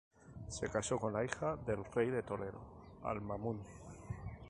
Se casó con la hija del rey de Toledo Al-Ma'mún.